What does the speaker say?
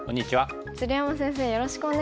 鶴山先生